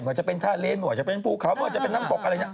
เหมือนจะเป็นธาเอดจำนวนหรือเป็นภูเขาหรือจะเป็นน้ำบก